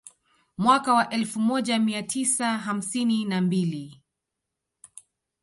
Mwaka wa elfu moja mia tisa hamsini na mbili